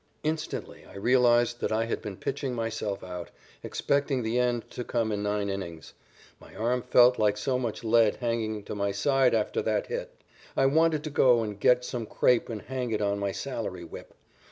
Instantly, I realized that I had been pitching myself out, expecting the end to come in nine innings. My arm felt like so much lead hanging to my side after that hit. I wanted to go and get some crape and hang it on my salary whip.